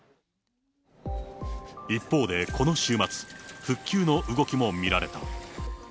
一方で、この週末、復旧の動きも見られた。